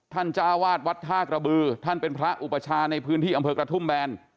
จ้าวาดวัดท่ากระบือท่านเป็นพระอุปชาในพื้นที่อำเภอกระทุ่มแบน